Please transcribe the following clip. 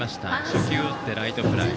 初球を打ってライトフライ。